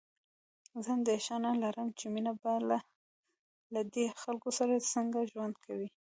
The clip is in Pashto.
زه اندېښنه لرم چې مينه به له دې خلکو سره څنګه ژوند کوي